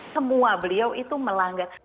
semua beliau itu melanggar